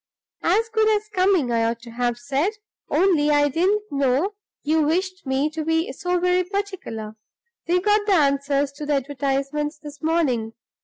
"As good as coming, I ought to have said only I didn't know you wished me to be so very particular. We got the answers to the advertisements this morning.